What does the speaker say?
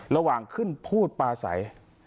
ระหว่างขึ้นพูดปลาใส